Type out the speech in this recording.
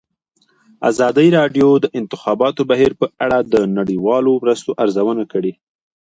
ازادي راډیو د د انتخاباتو بهیر په اړه د نړیوالو مرستو ارزونه کړې.